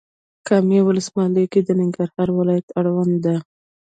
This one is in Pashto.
کامې ولسوالۍ د ننګرهار ولايت اړوند ده.